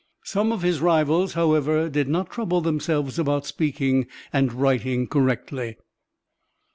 Some of his rivals, however, did not trouble themselves about speaking and writing correctly.